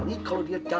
tidak tidak tidak